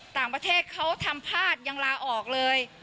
ต่างประเทศเขาทำพลาดยังลาออกเลย